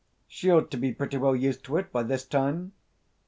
"She ought to be pretty well used to it by this time.